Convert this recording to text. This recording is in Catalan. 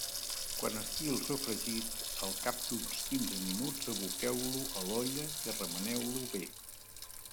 Quan estigui el sofregit, al cap d'uns quinze minuts, aboqueu-lo a l'olla i remeneu-ho bé.